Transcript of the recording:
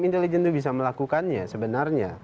intelijen itu bisa melakukannya sebenarnya